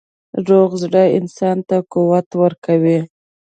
روغ زړه انسان ته قوت ورکوي.